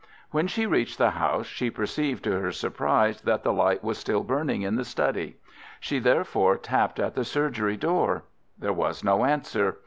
When she reached the house she perceived to her surprise that the light was still burning in the study. She therefore tapped at the surgery door. There was no answer.